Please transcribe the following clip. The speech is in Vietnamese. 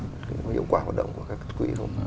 hiệu quả hoạt động của các quỹ không